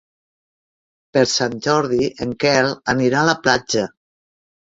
Per Sant Jordi en Quel anirà a la platja.